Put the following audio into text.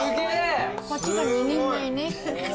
こっちが２人前ね。